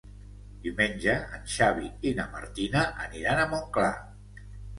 Diumenge en Xavi i na Martina aniran a Montclar.